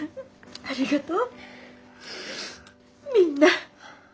ありがとう！